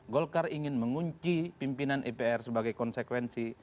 golkar ingin mengunci pimpinan mpr sebagai konsekuensi